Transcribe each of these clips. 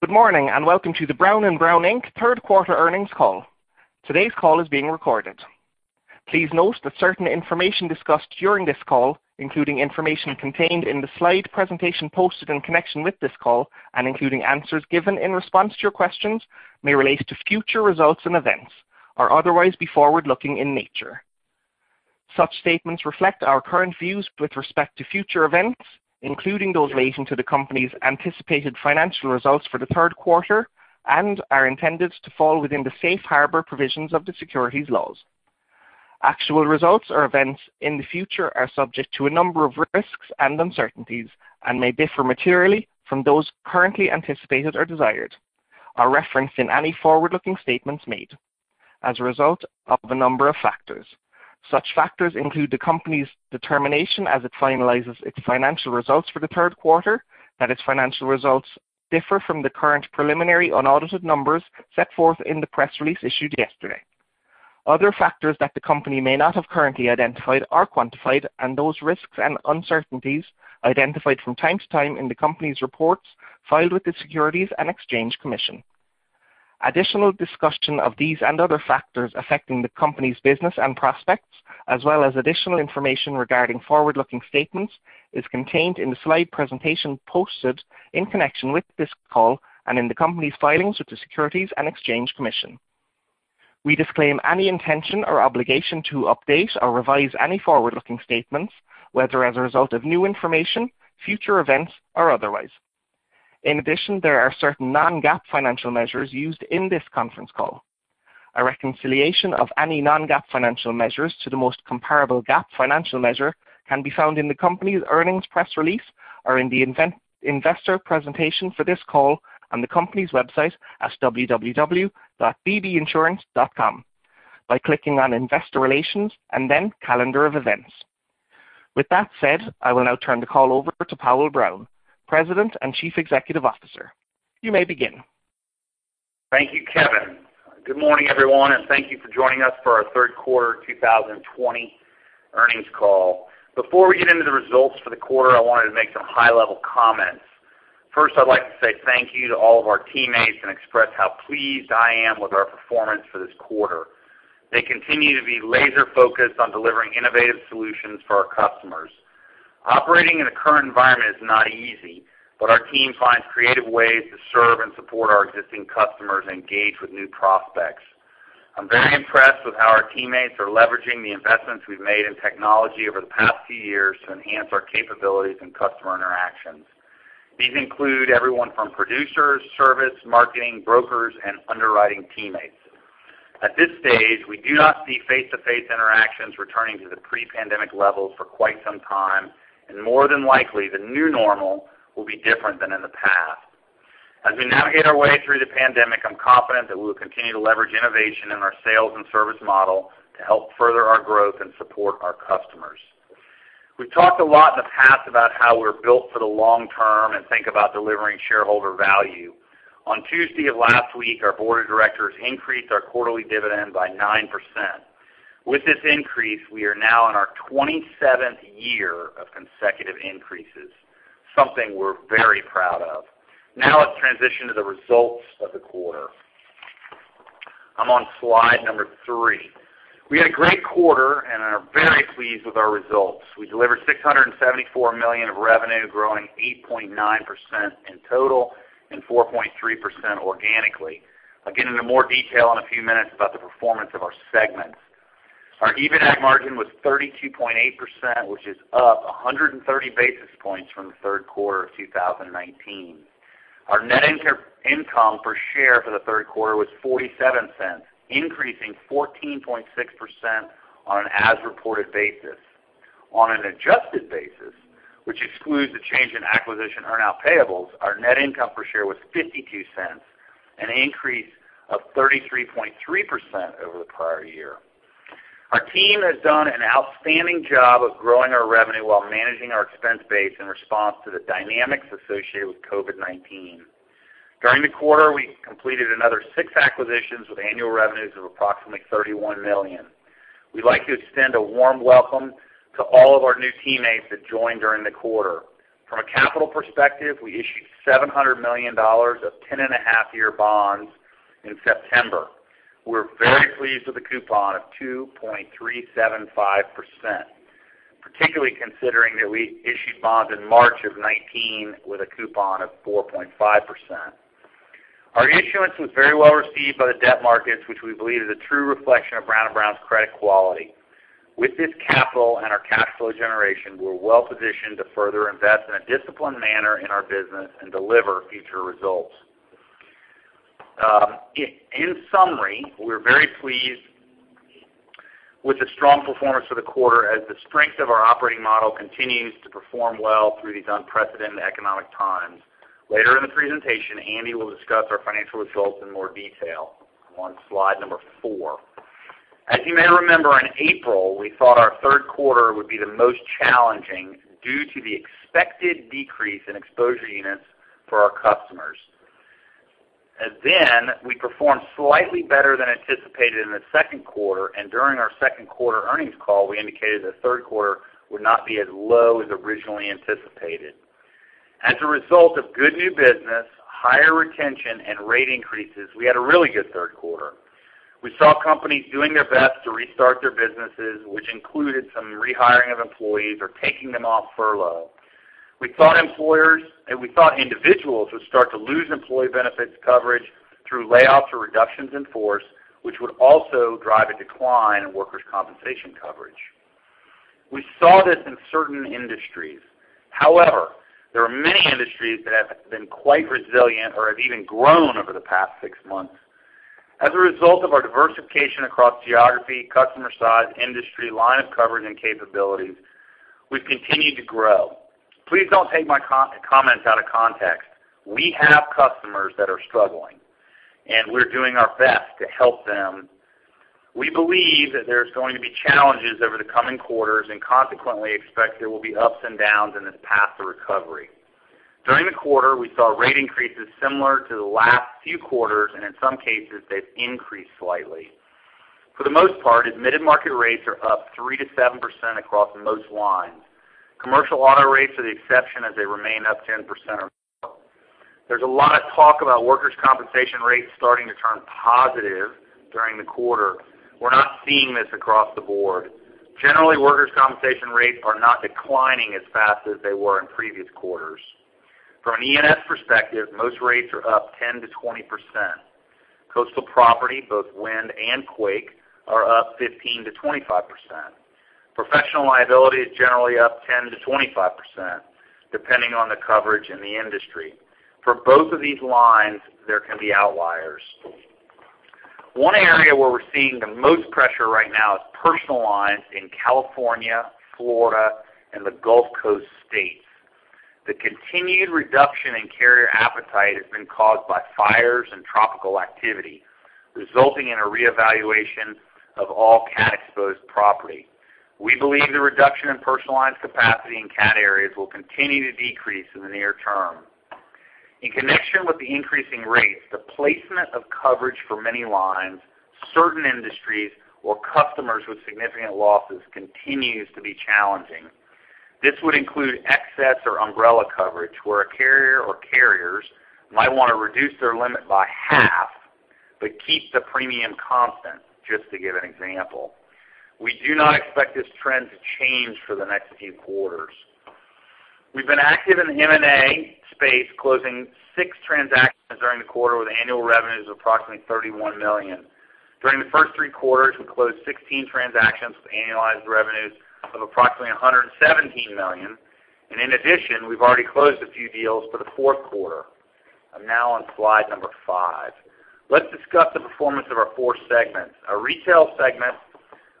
Good morning, and welcome to the Brown & Brown, Inc. third quarter earnings call. Today's call is being recorded. Please note that certain information discussed during this call, including information contained in the slide presentation posted in connection with this call, and including answers given in response to your questions, may relate to future results and events or otherwise be forward-looking in nature. Such statements reflect our current views with respect to future events, including those relating to the company's anticipated financial results for the third quarter, and are intended to fall within the safe harbor provisions of the securities laws. Actual results or events in the future are subject to a number of risks and uncertainties and may differ materially from those currently anticipated or desired, or referenced in any forward-looking statements made as a result of a number of factors. Such factors include the company's determination as it finalizes its financial results for the third quarter that its financial results differ from the current preliminary unaudited numbers set forth in the press release issued yesterday. Other factors that the company may not have currently identified are quantified, and those risks and uncertainties identified from time to time in the company's reports filed with the Securities and Exchange Commission. Additional discussion of these and other factors affecting the company's business and prospects, as well as additional information regarding forward-looking statements, is contained in the slide presentation posted in connection with this call and in the company's filings with the Securities and Exchange Commission. We disclaim any intention or obligation to update or revise any forward-looking statements, whether as a result of new information, future events, or otherwise. In addition, there are certain non-GAAP financial measures used in this conference call. A reconciliation of any non-GAAP financial measures to the most comparable GAAP financial measure can be found in the company's earnings press release or in the investor presentation for this call on the company's website at www.bbinsurance.com by clicking on Investor Relations and then Calendar of Events. With that said, I will now turn the call over to Powell Brown, President and Chief Executive Officer. You may begin. Thank you, Kevin. Good morning, everyone, and thank you for joining us for our third quarter 2020 earnings call. Before we get into the results for the quarter, I wanted to make some high-level comments. First, I'd like to say thank you to all of our teammates and express how pleased I am with our performance for this quarter. They continue to be laser-focused on delivering innovative solutions for our customers. Operating in the current environment is not easy, but our team finds creative ways to serve and support our existing customers and engage with new prospects. I'm very impressed with how our teammates are leveraging the investments we've made in technology over the past few years to enhance our capabilities and customer interactions. These include everyone from producers, service, marketing, brokers, and underwriting teammates. At this stage, we do not see face-to-face interactions returning to the pre-pandemic levels for quite some time, and more than likely, the new normal will be different than in the past. As we navigate our way through the pandemic, I'm confident that we will continue to leverage innovation in our sales and service model to help further our growth and support our customers. We've talked a lot in the past about how we're built for the long term and think about delivering shareholder value. On Tuesday of last week, our board of directors increased our quarterly dividend by 9%. With this increase, we are now in our 27th year of consecutive increases, something we're very proud of. Let's transition to the results of the quarter. I'm on slide number three. We had a great quarter and are very pleased with our results. We delivered $674 million of revenue, growing 8.9% in total and 4.3% organically. I'll get into more detail in a few minutes about the performance of our segments. Our EV/EBITDA margin was 32.8%, which is up 130 basis points from the third quarter of 2019. Our net income per share for the third quarter was $0.47, increasing 14.6% on an as-reported basis. On an adjusted basis, which excludes the change in acquisition earnout payables, our net income per share was $0.52, an increase of 33.3% over the prior year. Our team has done an outstanding job of growing our revenue while managing our expense base in response to the dynamics associated with COVID-19. During the quarter, we completed another six acquisitions with annual revenues of approximately $31 million. We'd like to extend a warm welcome to all of our new teammates that joined during the quarter. From a capital perspective, we issued $700 million of 10.5-year bonds in September. We're very pleased with the coupon of 2.375%, particularly considering that we issued bonds in March of 2019 with a coupon of 4.5%. Our issuance was very well received by the debt markets, which we believe is a true reflection of Brown & Brown's credit quality. With this capital and our cash flow generation, we're well-positioned to further invest in a disciplined manner in our business and deliver future results. In summary, we're very pleased with the strong performance for the quarter as the strength of our operating model continues to perform well through these unprecedented economic times. Later in the presentation, Andy will discuss our financial results in more detail. I'm on slide number four. As you may remember, in April, we thought our third quarter would be the most challenging due to the expected decrease in exposure units for our customers. We performed slightly better than anticipated in the second quarter. During our second quarter earnings call, we indicated that third quarter would not be as low as originally anticipated. As a result of good new business, higher retention, and rate increases, we had a really good third quarter. We saw companies doing their best to restart their businesses, which included some rehiring of employees or taking them off furlough. We thought individuals would start to lose employee benefits coverage through layoffs or reductions in force, which would also drive a decline in workers' compensation coverage. We saw this in certain industries. However, there are many industries that have been quite resilient or have even grown over the past six months. As a result of our diversification across geography, customer size, industry, line of coverage, and capabilities, we've continued to grow. Please don't take my comments out of context. We have customers that are struggling, and we're doing our best to help them. We believe that there's going to be challenges over the coming quarters and consequently expect there will be ups and downs in this path to recovery. During the quarter, we saw rate increases similar to the last few quarters, and in some cases, they've increased slightly. For the most part, admitted market rates are up 3%-7% across most lines. Commercial auto rates are the exception as they remain up 10% or more. There's a lot of talk about workers' compensation rates starting to turn positive during the quarter. We're not seeing this across the board. Generally, workers' compensation rates are not declining as fast as they were in previous quarters. From an E&S perspective, most rates are up 10%-20%. Coastal property, both wind and quake, are up 15%-25%. Professional liability is generally up 10%-25%, depending on the coverage and the industry. For both of these lines, there can be outliers. One area where we're seeing the most pressure right now is personal lines in California, Florida, and the Gulf Coast states. The continued reduction in carrier appetite has been caused by fires and tropical activity, resulting in a reevaluation of all cat-exposed property. We believe the reduction in personal lines capacity in cat areas will continue to decrease in the near term. In connection with the increasing rates, the placement of coverage for many lines, certain industries or customers with significant losses continues to be challenging. This would include excess or umbrella coverage where a carrier or carriers might want to reduce their limit by half, but keep the premium constant, just to give an example. We do not expect this trend to change for the next few quarters. We've been active in the M&A space, closing six transactions during the quarter with annual revenues of approximately $31 million. During the first three quarters, we closed 16 transactions with annualized revenues of approximately $117 million, and in addition, we've already closed a few deals for the fourth quarter. I'm now on slide number five. Let's discuss the performance of our four segments. Our retail segment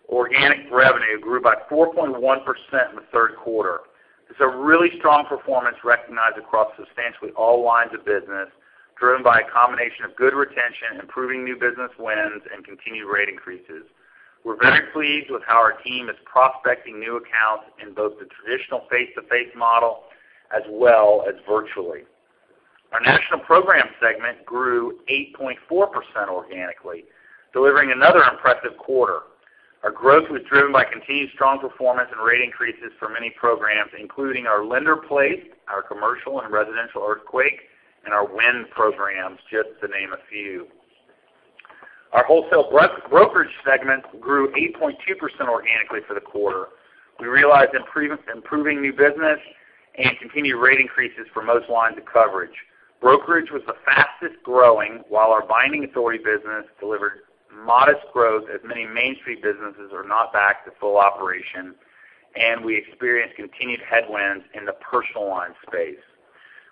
organic revenue grew by 4.1% in the third quarter. It's a really strong performance recognized across substantially all lines of business, driven by a combination of good retention, improving new business wins, and continued rate increases. We're very pleased with how our team is prospecting new accounts in both the traditional face-to-face model as well as virtually. Our national program segment grew 8.4% organically, delivering another impressive quarter. Our growth was driven by continued strong performance and rate increases for many programs, including our lender-placed, our commercial and residential earthquake, and our wind programs, just to name a few. Our wholesale brokerage segment grew 8.2% organically for the quarter. We realized improving new business and continued rate increases for most lines of coverage. Brokerage was the fastest growing, while our binding authority business delivered modest growth as many Main Street businesses are not back to full operation, and we experienced continued headwinds in the personal line space.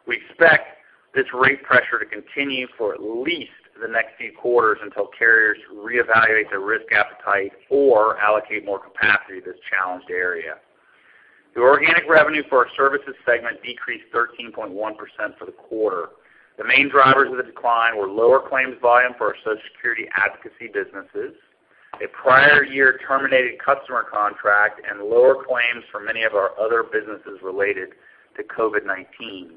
We expect this rate pressure to continue for at least the next few quarters until carriers reevaluate their risk appetite or allocate more capacity to this challenged area. The organic revenue for our services segment decreased 13.1% for the quarter. The main drivers of the decline were lower claims volume for our Social Security advocacy businesses, a prior year terminated customer contract, and lower claims for many of our other businesses related to COVID-19.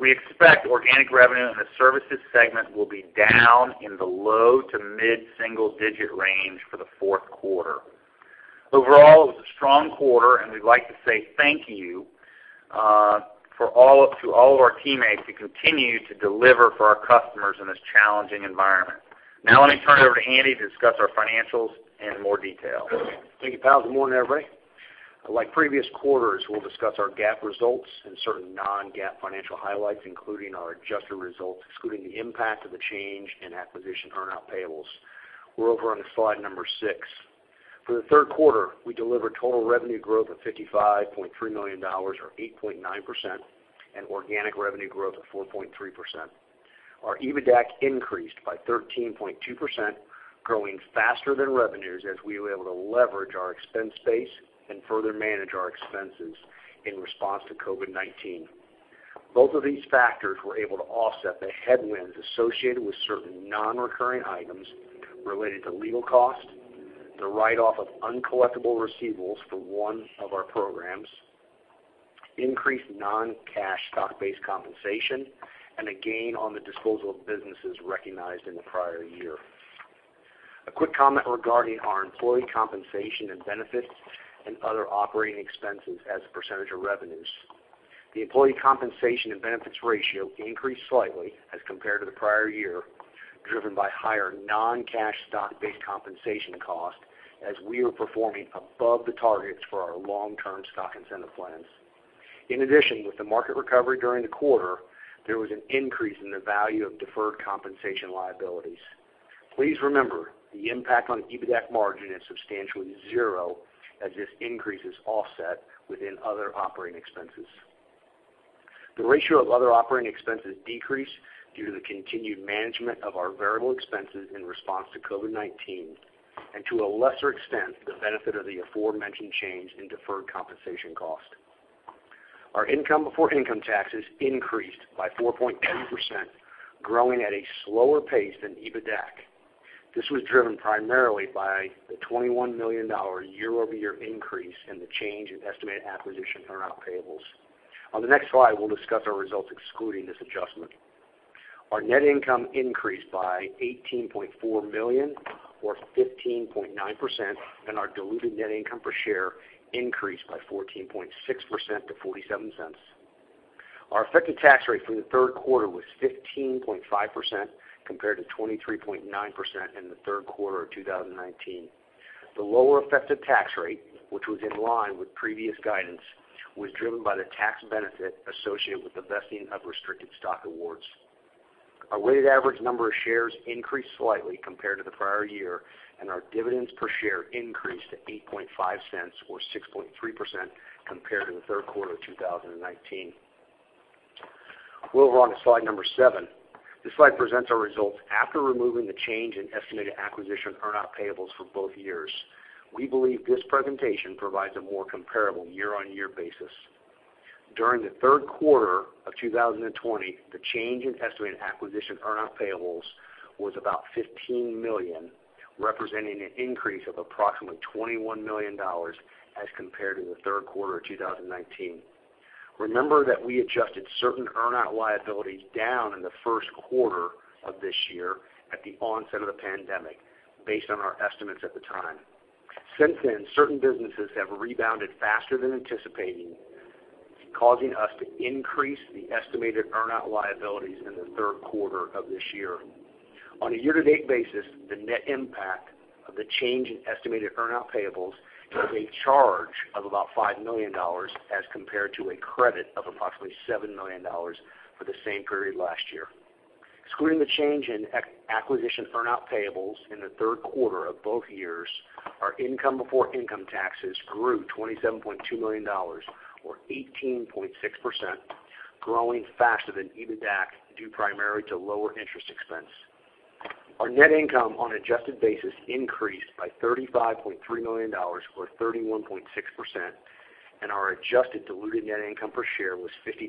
We expect organic revenue in the services segment will be down in the low to mid-single digit range for the fourth quarter. Overall, it was a strong quarter, and we'd like to say thank you to all of our teammates who continue to deliver for our customers in this challenging environment. Now let me turn it over to Andy to discuss our financials in more detail. Thank you, Powell. Good morning, everybody. Like previous quarters, we'll discuss our GAAP results and certain non-GAAP financial highlights, including our adjusted results, excluding the impact of the change in acquisition earnout payables. We're over on slide number six. For the third quarter, we delivered total revenue growth of $55.3 million or 8.9% and organic revenue growth of 4.3%. Our EBITDAC increased by 13.2%, growing faster than revenues as we were able to leverage our expense base and further manage our expenses in response to COVID-19. Both of these factors were able to offset the headwinds associated with certain non-recurring items related to legal costs, the write-off of uncollectible receivables for one of our programs, increased non-cash stock-based compensation and a gain on the disposal of businesses recognized in the prior year. A quick comment regarding our employee compensation and benefits and other operating expenses as a percentage of revenues. The employee compensation and benefits ratio increased slightly as compared to the prior year, driven by higher non-cash stock-based compensation cost as we are performing above the targets for our long-term stock incentive plans. In addition, with the market recovery during the quarter, there was an increase in the value of deferred compensation liabilities. Please remember, the impact on EBITDAC margin is substantially zero, as this increase is offset within other operating expenses. The ratio of other operating expenses decreased due to the continued management of our variable expenses in response to COVID-19, and to a lesser extent, the benefit of the aforementioned change in deferred compensation cost. Our income before income taxes increased by 4.2%, growing at a slower pace than EBITDAC. This was driven primarily by the $21 million year-over-year increase in the change in estimated acquisition earnout payables. On the next slide, we'll discuss our results excluding this adjustment. Our net income increased by $18.4 million or 15.9%, and our diluted net income per share increased by 14.6% to $0.47. Our effective tax rate for the third quarter was 15.5%, compared to 23.9% in the third quarter of 2019. The lower effective tax rate, which was in line with previous guidance, was driven by the tax benefit associated with the vesting of restricted stock awards. Our weighted average number of shares increased slightly compared to the prior year, and our dividends per share increased to $0.085 or 6.3% compared to the third quarter of 2019. We'll move on to slide number seven. This slide presents our results after removing the change in estimated acquisition earnout payables for both years. We believe this presentation provides a more comparable year-on-year basis. During the third quarter of 2020, the change in estimated acquisition earnout payables was about $15 million, representing an increase of approximately $21 million as compared to the third quarter of 2019. Remember that we adjusted certain earnout liabilities down in the first quarter of this year at the onset of the pandemic based on our estimates at the time. Since then, certain businesses have rebounded faster than anticipating, causing us to increase the estimated earnout liabilities in the third quarter of this year. On a year-to-date basis, the net impact of the change in estimated earnout payables is a charge of about $5 million as compared to a credit of approximately $7 million for the same period last year. Excluding the change in acquisition earnout payables in the third quarter of both years, our income before income taxes grew $27.2 million or 18.6%, growing faster than EBITDAC, due primarily to lower interest expense. Our net income on an adjusted basis increased by $35.3 million or 31.6%, and our adjusted diluted net income per share was $0.52,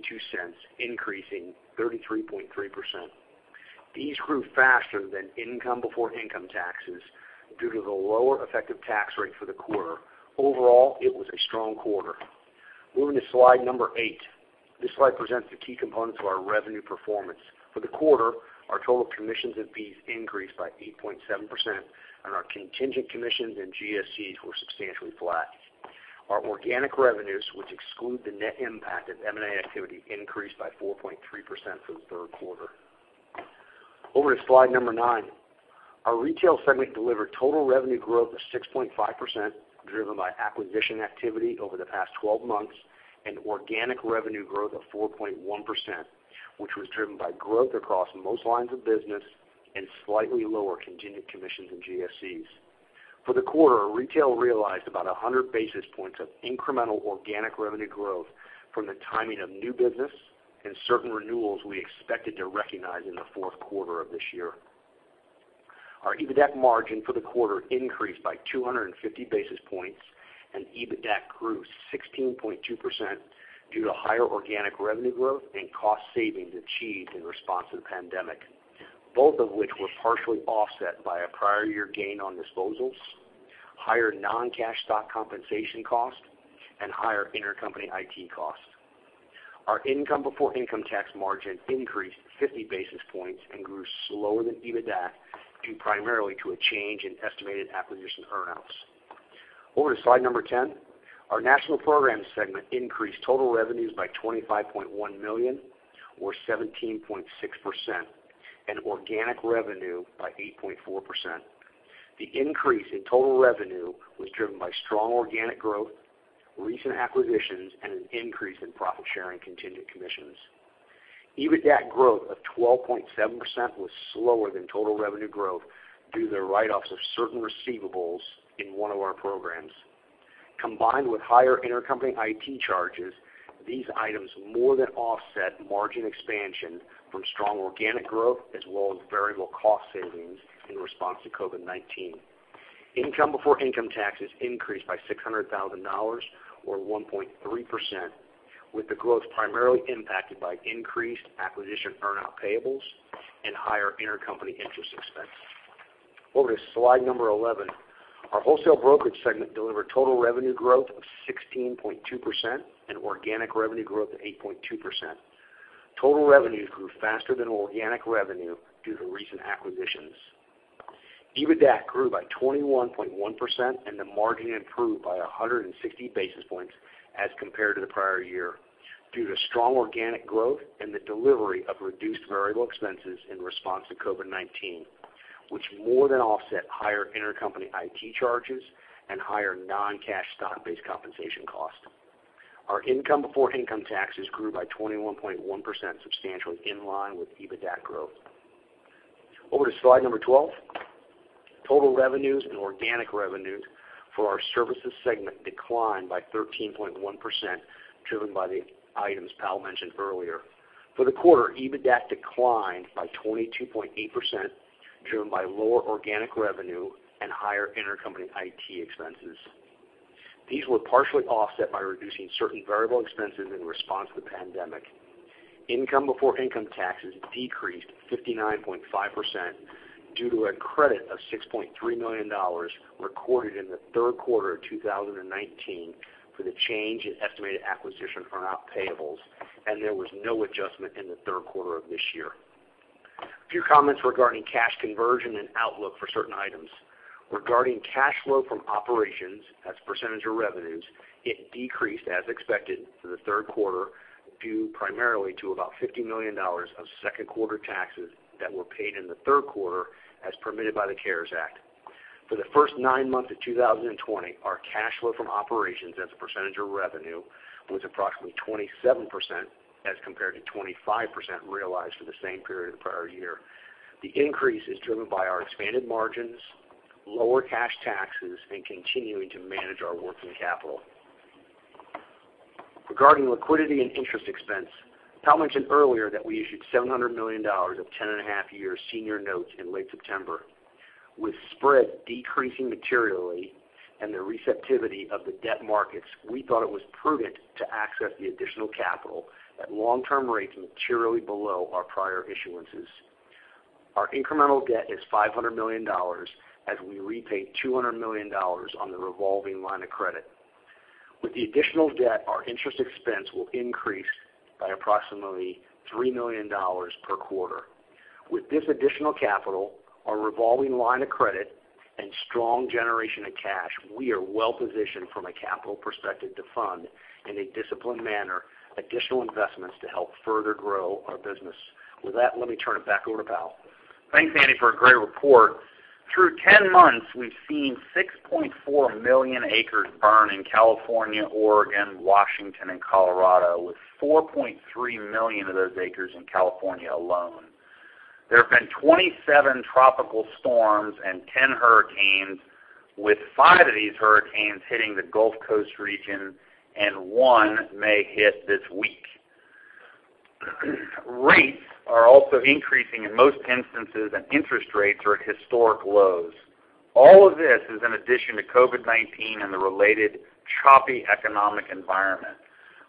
increasing 33.3%. These grew faster than income before income taxes due to the lower effective tax rate for the quarter. Overall, it was a strong quarter. Moving to slide number eight. This slide presents the key components of our revenue performance. For the quarter, our total commissions and fees increased by 8.7%, and our contingent commissions and GSCs were substantially flat. Our organic revenues, which exclude the net impact of M&A activity, increased by 4.3% for the third quarter. Over to slide number nine. Our Retail Segment delivered total revenue growth of 6.5%, driven by acquisition activity over the past 12 months, and organic revenue growth of 4.1%, which was driven by growth across most lines of business and slightly lower contingent commissions and GSCs. For the quarter, Retail realized about 100 basis points of incremental organic revenue growth from the timing of new business and certain renewals we expected to recognize in the fourth quarter of this year. Our EBITDAC margin for the quarter increased by 250 basis points, and EBITDAC grew 16.2% due to higher organic revenue growth and cost savings achieved in response to the pandemic, both of which were partially offset by a prior-year gain on disposals, higher non-cash stock compensation cost, and higher intercompany IT costs. Our income before income tax margin increased 50 basis points and grew slower than EBITDAC, due primarily to a change in estimated acquisition earnouts. Over to slide 10. Our National Programs Segment increased total revenues by $25.1 million or 17.6%, and organic revenue by 8.4%. The increase in total revenue was driven by strong organic growth, recent acquisitions, and an increase in profit-sharing contingent commissions. EBITDAC growth of 12.7% was slower than total revenue growth due to the write-offs of certain receivables in one of our programs. Combined with higher intercompany IT charges, these items more than offset margin expansion from strong organic growth as well as variable cost savings in response to COVID-19. Income before income taxes increased by $600,000 or 1.3%, with the growth primarily impacted by increased acquisition earnout payables and higher intercompany interest expense. Over to slide 11. Our wholesale brokerage segment delivered total revenue growth of 16.2% and organic revenue growth of 8.2%. Total revenues grew faster than organic revenue due to recent acquisitions. EBITDAC grew by 21.1%, and the margin improved by 160 basis points as compared to the prior year due to strong organic growth and the delivery of reduced variable expenses in response to COVID-19, which more than offset higher intercompany IT charges and higher non-cash stock-based compensation cost. Our income before income taxes grew by 21.1%, substantially in line with EBITDAC growth. Over to slide number 12. Total revenues and organic revenues for our services segment declined by 13.1%, driven by the items Powell mentioned earlier. For the quarter, EBITDAC declined by 22.8%, driven by lower organic revenue and higher intercompany IT expenses. These were partially offset by reducing certain variable expenses in response to the pandemic. Income before income taxes decreased 59.5% due to a credit of $6.3 million recorded in the third quarter of 2019 for the change in estimated acquisition for non-payables, and there was no adjustment in the third quarter of this year. A few comments regarding cash conversion and outlook for certain items. Regarding cash flow from operations, that's percentage of revenues, it decreased as expected for the third quarter, due primarily to about $50 million of second quarter taxes that were paid in the third quarter, as permitted by the CARES Act. For the first nine months of 2020, our cash flow from operations as a percentage of revenue was approximately 27%, as compared to 25% realized for the same period the prior year. The increase is driven by our expanded margins, lower cash taxes, and continuing to manage our working capital. Regarding liquidity and interest expense, Powell mentioned earlier that we issued $700 million of 10 and a half year senior notes in late September. With spread decreasing materially and the receptivity of the debt markets, we thought it was prudent to access the additional capital at long-term rates materially below our prior issuances. Our incremental debt is $500 million as we repay $200 million on the revolving line of credit. With the additional debt, our interest expense will increase by approximately $3 million per quarter. With this additional capital, our revolving line of credit, and strong generation of cash, we are well-positioned from a capital perspective to fund, in a disciplined manner, additional investments to help further grow our business. With that, let me turn it back over to Powell. Thanks, Andy, for a great report. Through 10 months, we've seen 6.4 million acres burn in California, Oregon, Washington, and Colorado, with 4.3 million of those acres in California alone. There have been 27 tropical storms and 10 hurricanes, with five of these hurricanes hitting the Gulf Coast region and one may hit this week. Rates are also increasing in most instances, interest rates are at historic lows. All of this is in addition to COVID-19 and the related choppy economic environment.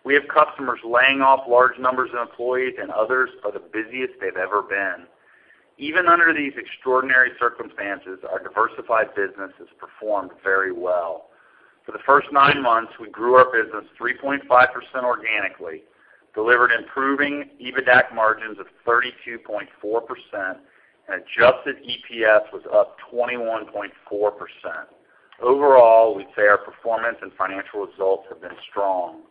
We have customers laying off large numbers of employees and others are the busiest they've ever been. Even under these extraordinary circumstances, our diversified business has performed very well. For the first nine months, we grew our business 3.5% organically, delivered improving EBITDAC margins of 32.4%, and adjusted EPS was up 21.4%. Overall, we'd say our performance and financial results have been strong.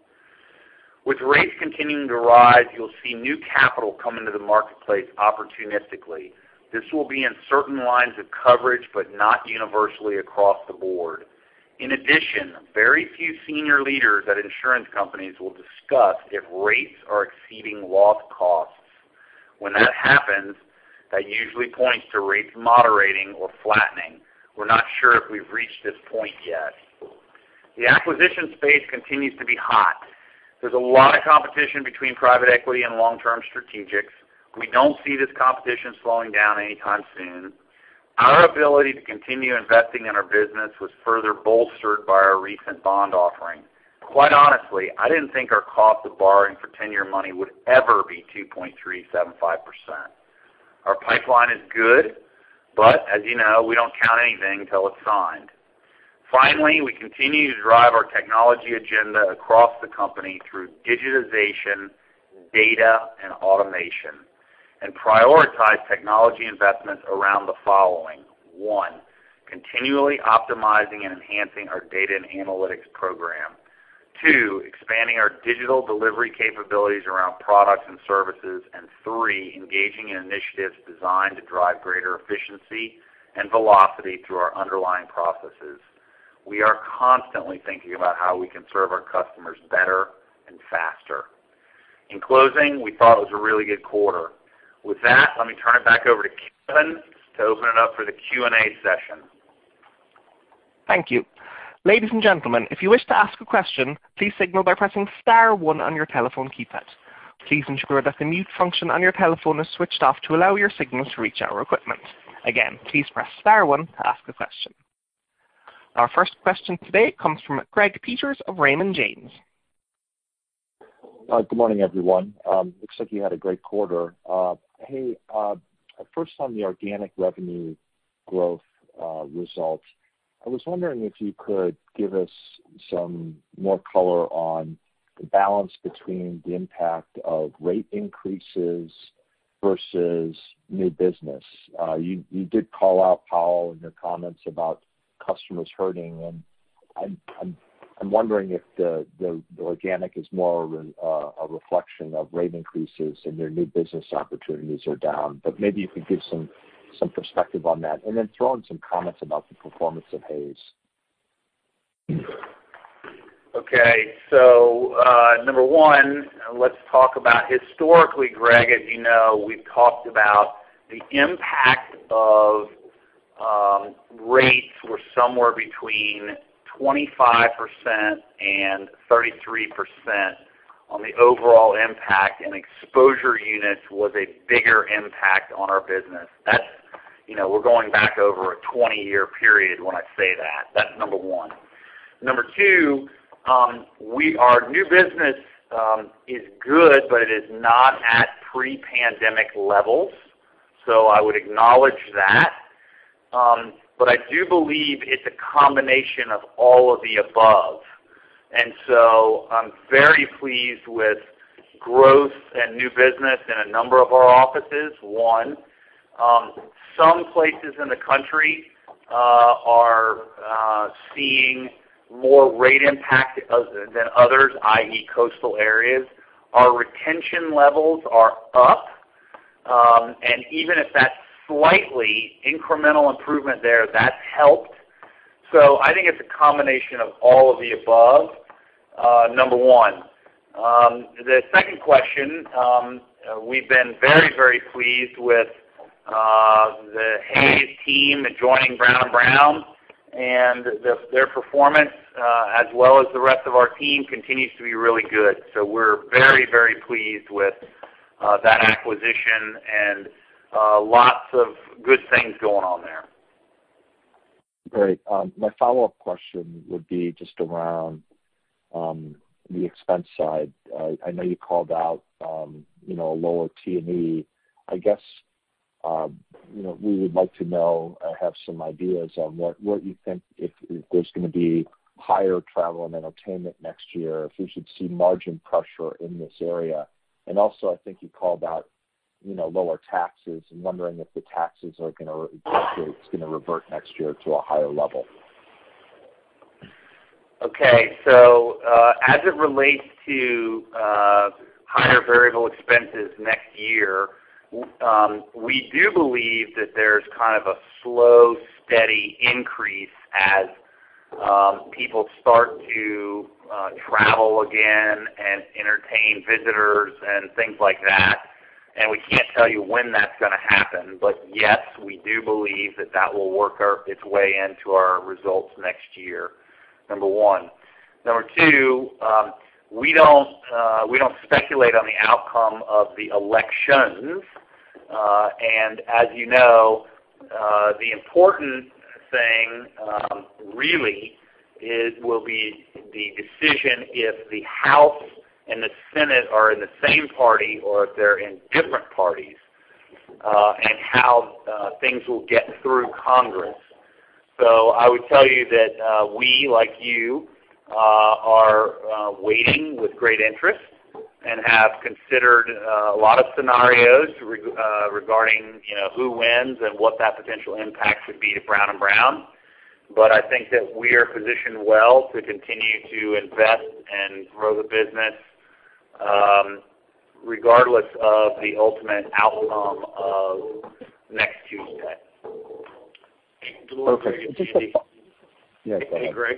With rates continuing to rise, you'll see new capital come into the marketplace opportunistically. This will be in certain lines of coverage, but not universally across the board. In addition, very few senior leaders at insurance companies will discuss if rates are exceeding loss costs. When that happens, that usually points to rates moderating or flattening. We're not sure if we've reached this point yet. The acquisition space continues to be hot. There's a lot of competition between private equity and long-term strategics. We don't see this competition slowing down anytime soon. Our ability to continue investing in our business was further bolstered by our recent bond offering. Quite honestly, I didn't think our cost of borrowing for 10-year money would ever be 2.375%. Our pipeline is good, but as you know, we don't count anything until it's signed. Finally, we continue to drive our technology agenda across the company through digitization, data, and automation, and prioritize technology investments around the following. One, continually optimizing and enhancing our data and analytics program. Two, expanding our digital delivery capabilities around products and services. Three, engaging in initiatives designed to drive greater efficiency and velocity through our underlying processes. We are constantly thinking about how we can serve our customers better and faster. In closing, we thought it was a really good quarter. With that, let me turn it back over to Kevin to open it up for the Q&A session. Thank you. Ladies and gentlemen, if you wish to ask a question, please signal by pressing *1 on your telephone keypad. Please ensure that the mute function on your telephone is switched off to allow your signals to reach our equipment. Again, please press *1 to ask a question. Our first question today comes from Greg Peters of Raymond James. Good morning, everyone. Looks like you had a great quarter. Hey, first on the organic revenue growth results, I was wondering if you could give us some more color on the balance between the impact of rate increases versus new business. You did call out, Powell, in your comments about customers hurting, and I'm wondering if the organic is more of a reflection of rate increases and your new business opportunities are down. But maybe you could give some perspective on that. Then throw in some comments about the performance of Hays. Okay. Number one, let's talk about historically, Greg, as you know, we've talked about the impact of rates were somewhere between 25% and 33% on the overall impact, and exposure units was a bigger impact on our business. We're going back over a 20-year period when I say that. That's number one. Number two, our new business is good, but it is not at pre-pandemic levels. I would acknowledge that. I do believe it's a combination of all of the above. I'm very pleased with growth and new business in a number of our offices, one. Some places in the country are seeing more rate impact than others, i.e. coastal areas. Our retention levels are up, and even if that's slightly incremental improvement there, that's helped. I think it's a combination of all of the above, number one. The second question, we've been very pleased with the Hays team joining Brown & Brown, and their performance, as well as the rest of our team, continues to be really good. We're very pleased with that acquisition and lots of good things going on there. Great. My follow-up question would be just around the expense side. I know you called out lower T&E. I guess we would like to know or have some ideas on what you think if there's going to be higher travel and entertainment next year, if we should see margin pressure in this area. I think you called out lower taxes. I'm wondering if the taxes are going to revert next year to a higher level. Okay. As it relates to higher variable expenses next year, we do believe that there's kind of a slow, steady increase as people start to travel again and entertain visitors and things like that. We can't tell you when that's going to happen. Yes, we do believe that that will work its way into our results next year, number one. Number two, we don't speculate on the outcome of the elections. As you know, the important thing, really, will be the decision if the House and the Senate are in the same party or if they're in different parties, and how things will get through Congress. I would tell you that we, like you, are waiting with great interest and have considered a lot of scenarios regarding who wins and what that potential impact would be to Brown & Brown. I think that we are positioned well to continue to invest and grow the business regardless of the ultimate outcome of next Tuesday. Okay. Hey, Greg.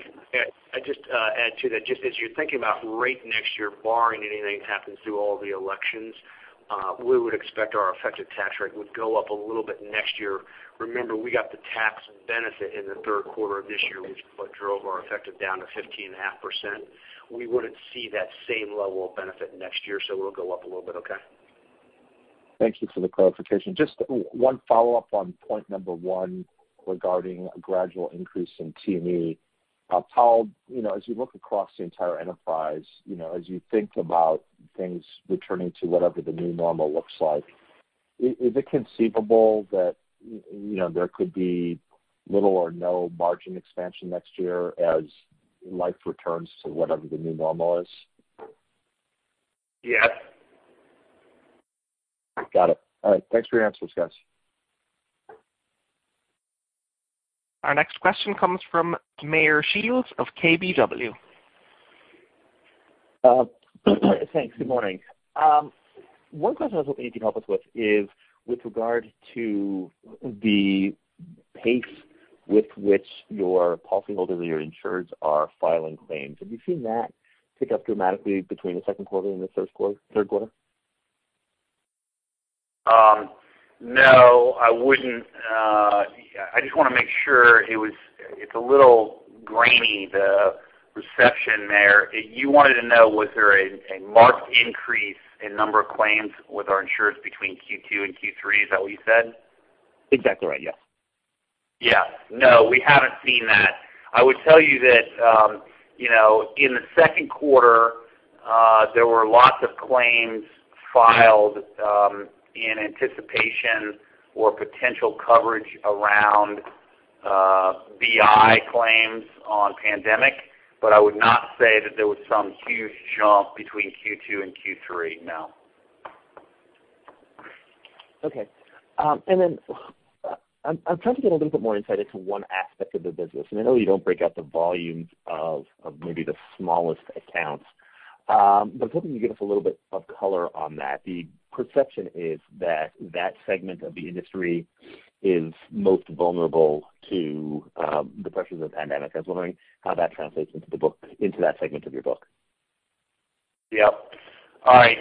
I'd just add to that, just as you're thinking about rate next year, barring anything happens through all the elections, we would expect our effective tax rate would go up a little bit next year. Remember, we got the tax benefit in the third quarter of this year, which is what drove our effective down to 15.5%. We wouldn't see that same level of benefit next year. It'll go up a little bit okay. Thank you for the clarification. Just one follow-up on point number one regarding a gradual increase in T&E. Powell, as you look across the entire enterprise, as you think about things returning to whatever the new normal looks like, is it conceivable that there could be little or no margin expansion next year as life returns to whatever the new normal is? Yes. Got it. All right. Thanks for your answers, guys. Our next question comes from Meyer Shields of KBW. Thanks. Good morning. One question I was hoping you could help us with is with regard to the pace with which your policyholders or your insureds are filing claims. Have you seen that pick up dramatically between the second quarter and the third quarter? No. I just want to make sure. It's a little grainy, the reception there. You wanted to know, was there a marked increase in number of claims with our insurers between Q2 and Q3? Is that what you said? Exactly right. Yes. Yes. No, we haven't seen that. I would tell you that in the second quarter, there were lots of claims filed in anticipation or potential coverage around BI claims on pandemic, but I would not say that there was some huge jump between Q2 and Q3. No. Okay. I'm trying to get a little bit more insight into one aspect of the business, and I know you don't break out the volumes of maybe the smallest accounts, but I was hoping you could give us a little bit of color on that. The perception is that segment of the industry is most vulnerable to the pressures of the pandemic. I was wondering how that translates into that segment of your book. Yep. All right.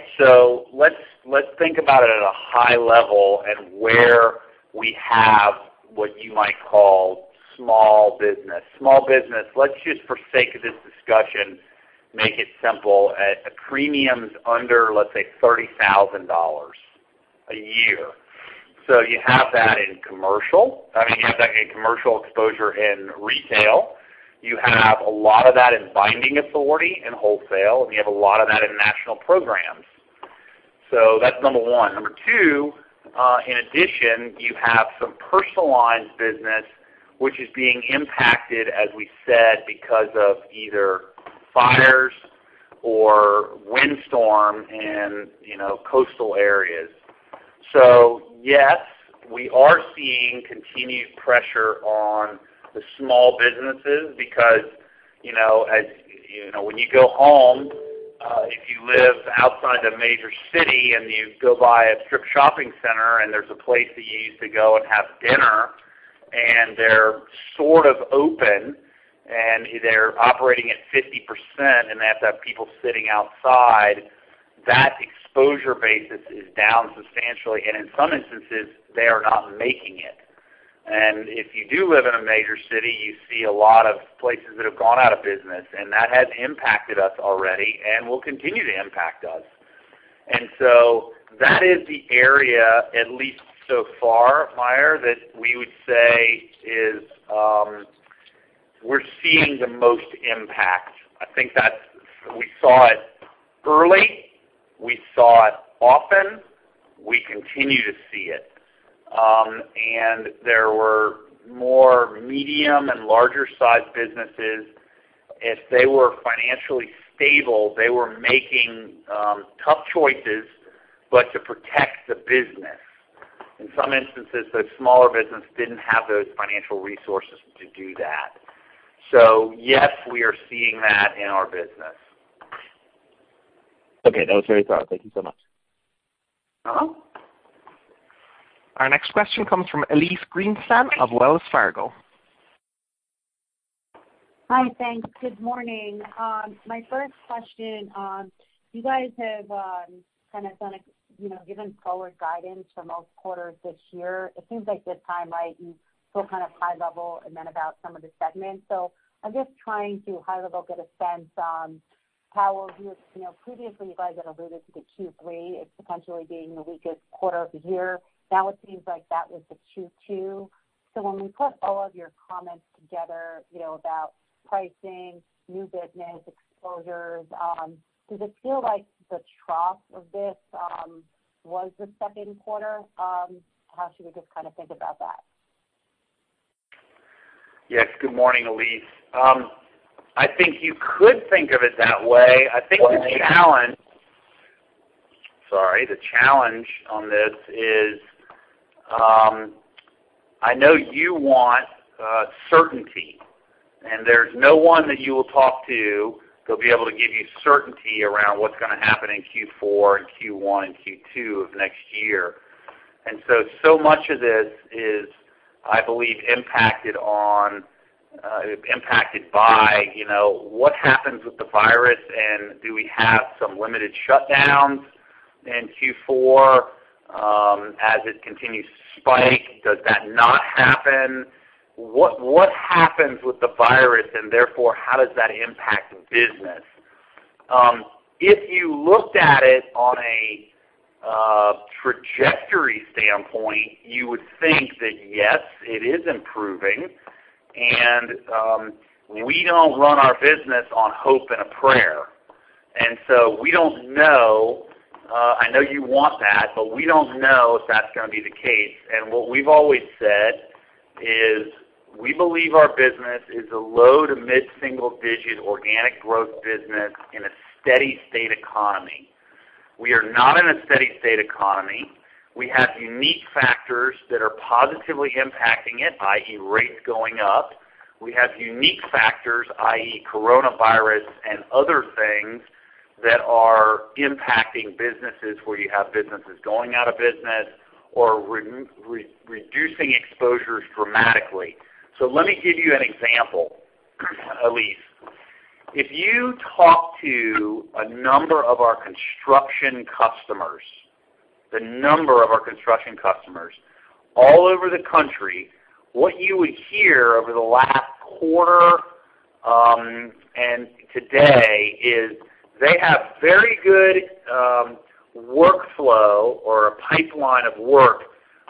Let's think about it at a high level and where we have what you might call small business. Small business, let's just for sake of this discussion, make it simple at premiums under, let's say, $30,000 a year. You have that in commercial. I mean, you have that in commercial exposure in retail. You have a lot of that in binding authority in wholesale, and you have a lot of that in national programs. That's number 1. Number 2, in addition, you have some personal lines business, which is being impacted, as we said, because of either fires or windstorm in coastal areas. Yes, we are seeing continued pressure on the small businesses because when you go home, if you live outside a major city and you go by a strip shopping center, and there's a place that you used to go and have dinner, and they're sort of open, and they're operating at 50%, and they have to have people sitting outside, that exposure basis is down substantially. In some instances, they are not making it. If you do live in a major city, you see a lot of places that have gone out of business, and that has impacted us already and will continue to impact us. That is the area, at least so far, Meyer, that we would say we're seeing the most impact. I think we saw it early, we saw it often, we continue to see it. There were more medium and larger sized businesses. If they were financially stable, they were making tough choices, but to protect the business. In some instances, those smaller businesses didn't have those financial resources to do that. Yes, we are seeing that in our business. Okay. That was very thorough. Thank you so much. Our next question comes from Elyse Greenspan of Wells Fargo. Hi. Thanks. Good morning. My first question. You guys have given forward guidance for most quarters this year. It seems like this time you feel kind of high level and then about some of the segments. I'm just trying to high level get a sense on how previously you guys had alluded to the Q3, it potentially being the weakest quarter of the year. Now it seems like that was the Q2. When we put all of your comments together about pricing, new business, exposures, does it feel like the trough of this was the second quarter? How should we just kind of think about that? Yes. Good morning, Elyse. I think you could think of it that way. I think the challenge on this is, I know you want certainty, and there's no one that you will talk to who'll be able to give you certainty around what's going to happen in Q4 and Q1 and Q2 of next year. So much of this is, I believe, impacted by what happens with the virus, and do we have some limited shutdowns in Q4 as it continues to spike? Does that not happen? What happens with the virus, and therefore, how does that impact business? If you looked at it on a trajectory standpoint, you would think that, yes, it is improving. We don't run our business on hope and a prayer. So we don't know. I know you want that, but we don't know if that's going to be the case. What we've always said is we believe our business is a low to mid-single-digit organic growth business in a steady state economy. We are not in a steady state economy. We have unique factors that are positively impacting it, i.e. rates going up. We have unique factors, i.e. coronavirus and other things that are impacting businesses, where you have businesses going out of business or reducing exposures dramatically. Let me give you an example, Elyse. If you talk to a number of our construction customers, the number of our construction customers all over the country, what you would hear over the last quarter today is they have very good workflow or a pipeline of work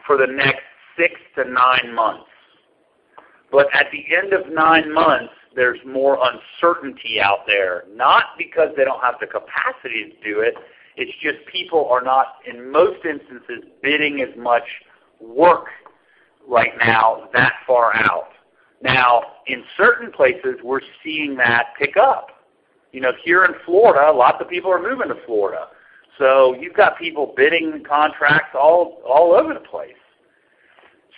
for the next six to nine months. At the end of nine months, there's more uncertainty out there, not because they don't have the capacity to do it's just people are not, in most instances, bidding as much work right now that far out. In certain places, we're seeing that pick up. Here in Florida, lots of people are moving to Florida. You've got people bidding contracts all over the place.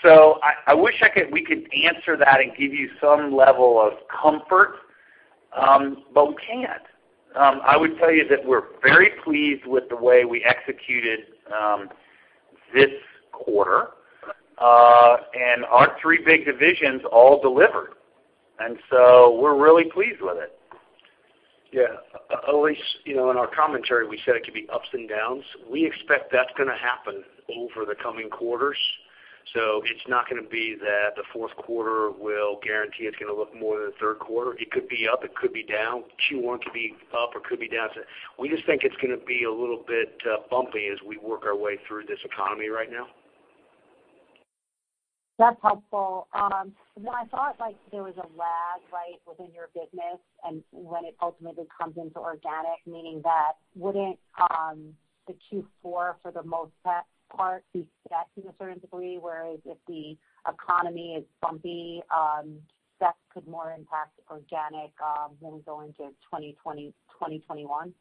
I wish we could answer that and give you some level of comfort, but we can't. I would tell you that we're very pleased with the way we executed this quarter. Our three big divisions all delivered. So we're really pleased with it. Yeah. Elyse, in our commentary, we said it could be ups and downs. We expect that's going to happen over the coming quarters. It's not going to be that the fourth quarter will guarantee it's going to look more than the third quarter. It could be up, it could be down. Q1 could be up, or it could be down. We just think it's going to be a little bit bumpy as we work our way through this economy right now. That's helpful. When I thought like there was a lag, right, within your business, and when it ultimately comes into organic, meaning that wouldn't the Q4, for the most part, be that to a certain degree, whereas if the economy is bumpy, that could more impact organic when we go into 2021?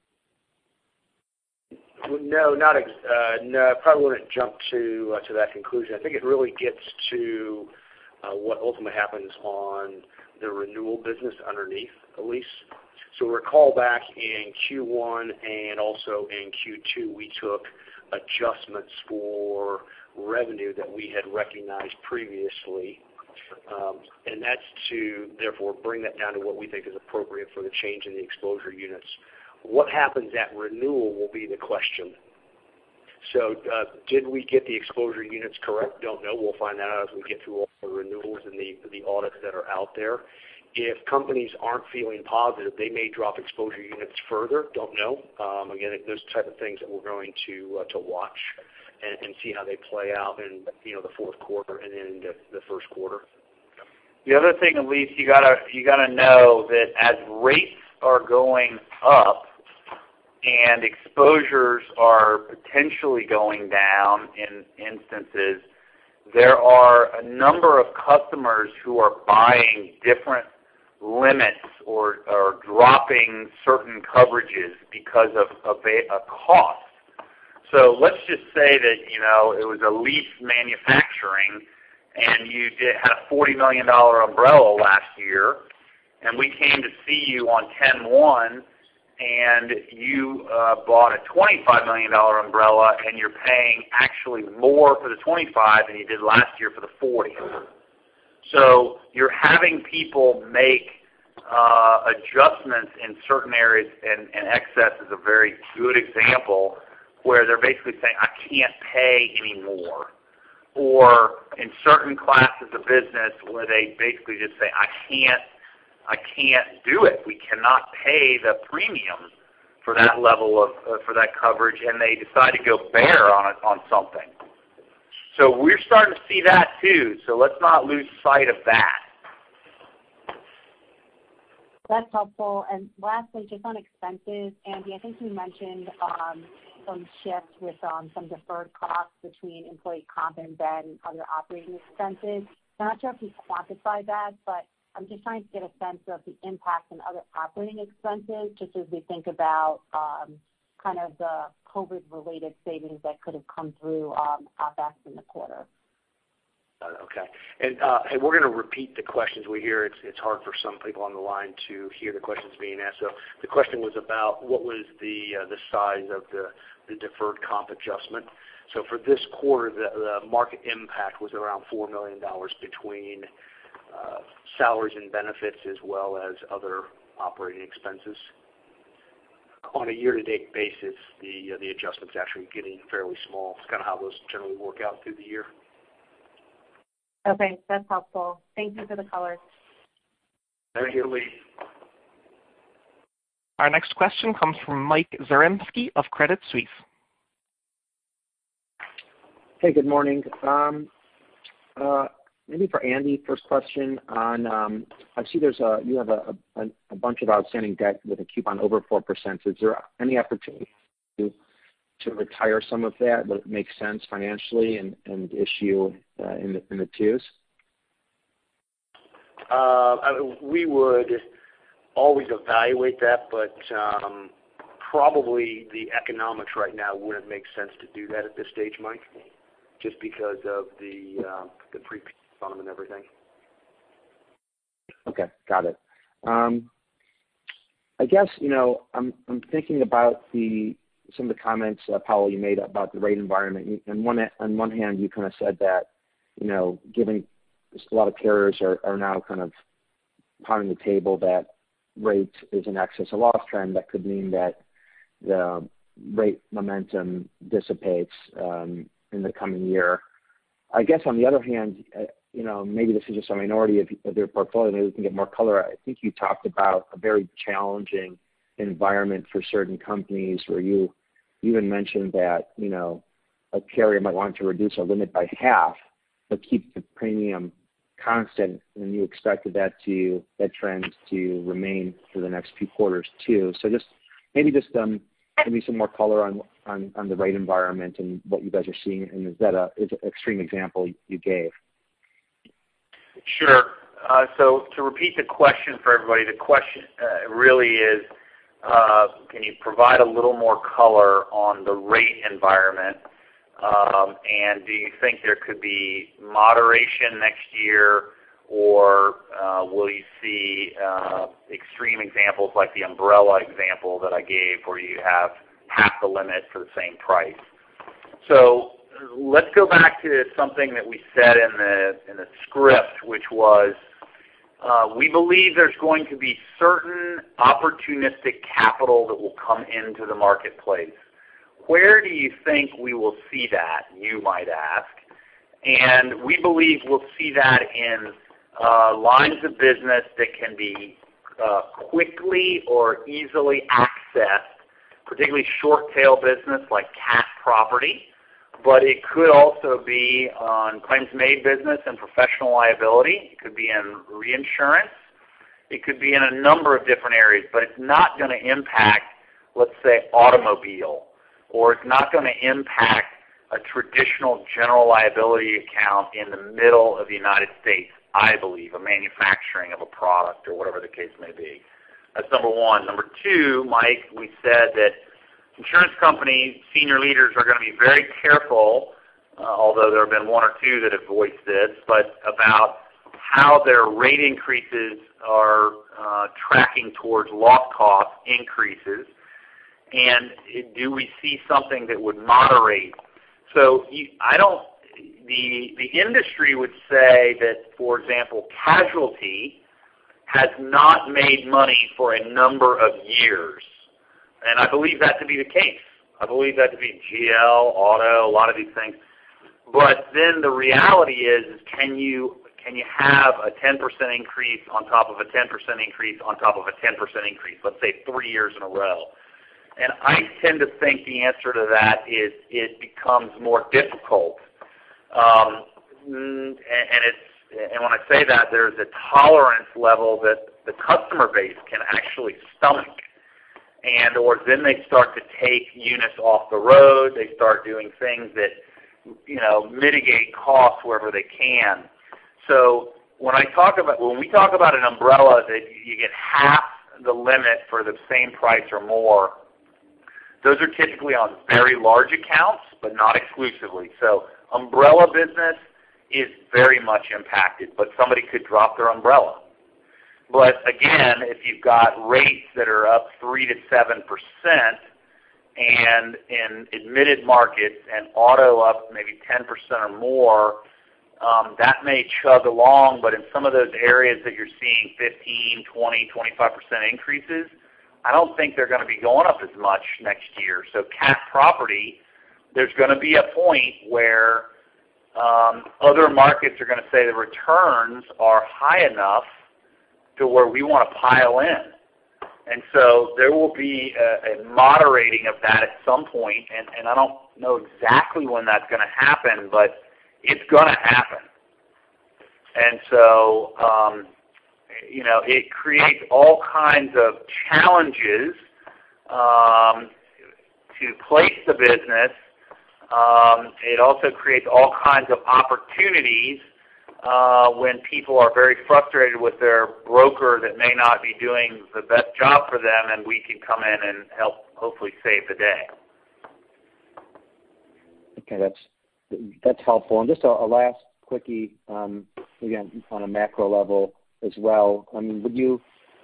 No, probably wouldn't jump to that conclusion. I think it really gets to what ultimately happens on the renewal business underneath, Elyse. Recall back in Q1 and also in Q2, we took adjustments for revenue that we had recognized previously. That's to therefore bring that down to what we think is appropriate for the change in the exposure units. What happens at renewal will be the question. Did we get the exposure units correct? Don't know. We'll find that out as we get through all the renewals and the audits that are out there. If companies aren't feeling positive, they may drop exposure units further. Don't know. Again, those type of things that we're going to watch and see how they play out in the fourth quarter and into the first quarter. The other thing, Elyse, you got to know that as rates are going up and exposures are potentially going down in instances, there are a number of customers who are buying different limits or are dropping certain coverages because of cost. Let's just say that it was liase Manufacturing, and you did have a $40 million umbrella last year, and we came to see you on 10/1, and you bought a $25 million umbrella, and you're paying actually more for the 25 than you did last year for the 40. You're having people make adjustments in certain areas, and excess is a very good example, where they're basically saying, "I can't pay anymore." Or in certain classes of business where they basically just say, "I can't do it. We cannot pay the premium for that coverage," and they decide to go bare on something. We're starting to see that too. Let's not lose sight of that. That's helpful. Lastly, just on expenses, Andy, I think you mentioned some shifts with some deferred costs between employee comp and other operating expenses. I'm not sure if you quantified that, but I'm just trying to get a sense of the impact on other operating expenses, just as we think about kind of the COVID-19 related savings that could have come through OpEx in the quarter. Okay. We're going to repeat the questions we hear. It's hard for some people on the line to hear the questions being asked. The question was about what was the size of the deferred comp adjustment. For this quarter, the market impact was around $4 million between salaries and benefits as well as other operating expenses. On a year-to-date basis, the adjustment's actually getting fairly small. It's kind of how those generally work out through the year. Okay. That's helpful. Thank you for the color. Thank you, Elyse. Our next question comes from Michael Zaremski of Credit Suisse. Hey, good morning. Maybe for Andy, first question on, I see you have a bunch of outstanding debt with a coupon over 4%. Is there any opportunity to retire some of that that makes sense financially and issue in the twos? We would always evaluate that, but probably the economics right now wouldn't make sense to do that at this stage, Mike, just because of the prepaid on them and everything. Okay. Got it. I guess, I'm thinking about some of the comments, Powell Brown, you made about the rate environment. On one hand, you kind of said that given a lot of carriers are now kind of pounding the table that rate is in excess a loss trend, that could mean that the rate momentum dissipates in the coming year. I guess on the other hand, maybe this is just a minority of your portfolio, maybe we can get more color. I think you talked about a very challenging environment for certain companies, where you even mentioned that a carrier might want to reduce a limit by half but keep the premium constant, and you expected that trend to remain for the next few quarters, too. maybe just give me some more color on the rate environment and what you guys are seeing, and is that an extreme example you gave? Sure. To repeat the question for everybody, the question really is, can you provide a little more color on the rate environment? Do you think there could be moderation next year, or will you see extreme examples like the umbrella example that I gave where you have half the limit for the same price? Let's go back to something that we said in the script, which was, we believe there's going to be certain opportunistic capital that will come into the marketplace. Where do you think we will see that, you might ask. We believe we'll see that in lines of business that can be quickly or easily accessed, particularly short-tail business like cat property, but it could also be on claims-made business and professional liability. It could be in reinsurance. It could be in a number of different areas, it's not going to impact, let's say, automobile, or it's not going to impact a traditional general liability account in the middle of the U.S., I believe, a manufacturing of a product or whatever the case may be. That's number one. Number two, Mike, we said that insurance companies, senior leaders are going to be very careful, although there have been one or two that have voiced this, about how their rate increases are tracking towards loss cost increases. Do we see something that would moderate? The industry would say that, for example, casualty has not made money for a number of years, and I believe that to be the case. I believe that to be GL, auto, a lot of these things. The reality is, can you have a 10% increase on top of a 10% increase on top of a 10% increase, let's say, three years in a row? I tend to think the answer to that is it becomes more difficult. When I say that, there's a tolerance level that the customer base can actually stomach and/or then they start to take units off the road. They start doing things that mitigate costs wherever they can. When we talk about an umbrella that you get half the limit for the same price or more, those are typically on very large accounts, but not exclusively. Umbrella business is very much impacted, but somebody could drop their umbrella. If you've got rates that are up 3%-7% and in admitted markets and auto up maybe 10% or more, that may chug along. In some of those areas that you're seeing 15%, 20%, 25% increases, I don't think they're going to be going up as much next year. Cat property, there's going to be a point where other markets are going to say the returns are high enough to where we want to pile in. There will be a moderating of that at some point, and I don't know exactly when that's going to happen, but it's going to happen. It creates all kinds of challenges to place the business. It also creates all kinds of opportunities when people are very frustrated with their broker that may not be doing the best job for them, and we can come in and help hopefully save the day. Okay, that's helpful. Just a last quickie, again, on a macro level as well.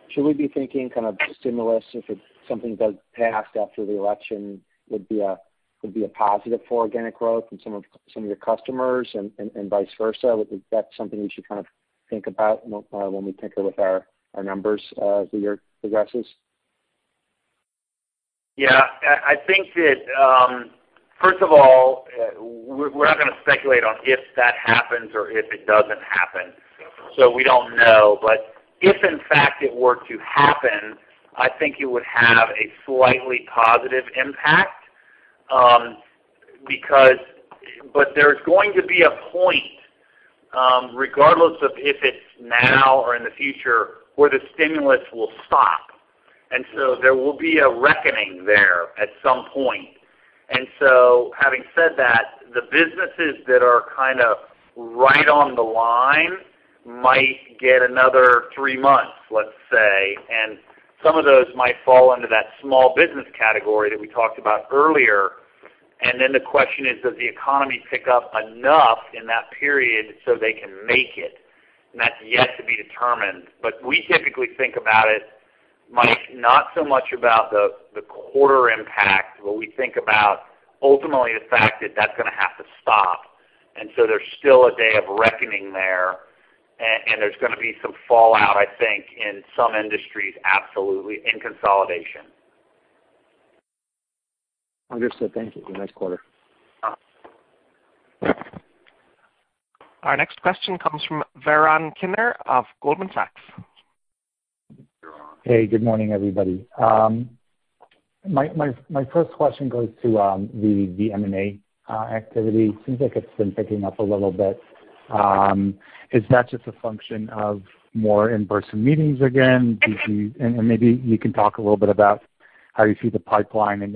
Should we be thinking kind of stimulus, if something does pass after the election, would be a positive for organic growth in some of your customers and vice versa? Is that something we should kind of think about when we tinker with our numbers as the year progresses? Yeah. First of all, we're not going to speculate on if that happens or if it doesn't happen. We don't know. If in fact it were to happen, I think it would have a slightly positive impact. There's going to be a point, regardless of if it's now or in the future, where the stimulus will stop. There will be a reckoning there at some point. Having said that, the businesses that are kind of right on the line might get another three months, let's say, and some of those might fall under that small business category that we talked about earlier. The question is, does the economy pick up enough in that period so they can make it? That's yet to be determined. We typically think about it, Mike, not so much about the quarter impact, but we think about ultimately the fact that's going to have to stop. There's still a day of reckoning there, and there's going to be some fallout, I think, in some industries, absolutely, in consolidation. Understood. Thank you. Have a nice quarter. Our next question comes from Yaron Kinar of Goldman Sachs. Hey, good morning, everybody. My first question goes to the M&A activity. Seems like it's been picking up a little bit. Is that just a function of more in-person meetings again? Maybe you can talk a little bit about how you see the pipeline and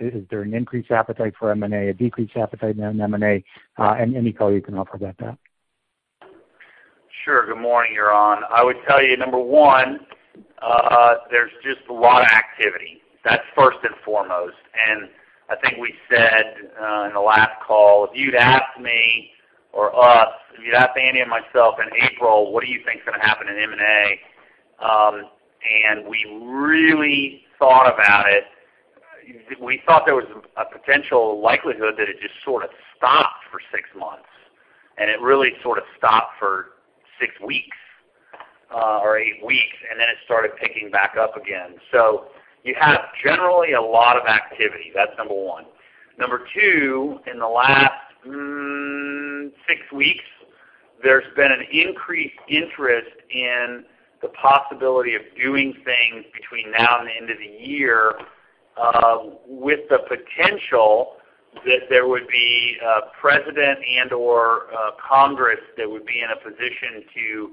is there an increased appetite for M&A, a decreased appetite in M&A? Any color you can offer about that. Sure. Good morning, Yaron. I would tell you, number one, there's just a lot of activity. That's first and foremost. I think we said in the last call, if you'd asked me or us, if you'd asked Andy and myself in April, what do you think is going to happen in M&A? We really thought about it. We thought there was a potential likelihood that it just sort of stopped for six months, it really sort of stopped for six weeks or eight weeks, then it started picking back up again. You have generally a lot of activity, that's number one. Number two, in the last six weeks, there's been an increased interest in the possibility of doing things between now and the end of the year, with the potential that there would be a president and/or Congress that would be in a position to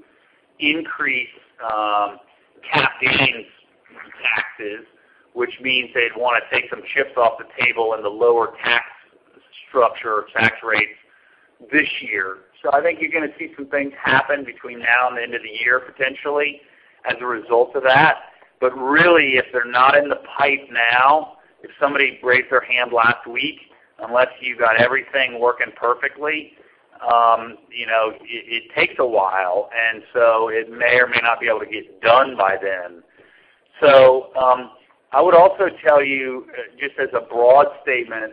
increase cap gains taxes, which means they'd want to take some chips off the table in the lower tax structure or tax rates this year. I think you're going to see some things happen between now and the end of the year, potentially, as a result of that. Really, if they're not in the pipe now, if somebody raised their hand last week, unless you've got everything working perfectly, it takes a while, it may or may not be able to get done by then. I would also tell you, just as a broad statement,